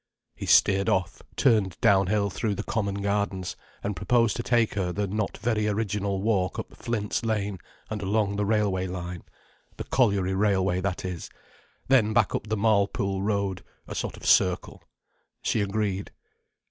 He steered off, turned downhill through the common gardens, and proposed to take her the not very original walk up Flint's Lane, and along the railway line—the colliery railway, that is—then back up the Marlpool Road: a sort of circle. She agreed.